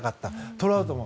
トラウトも。